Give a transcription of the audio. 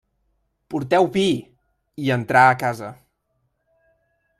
«Porteu vi!», i entrà a casa.